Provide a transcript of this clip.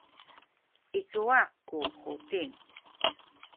i cuwa ku Huting?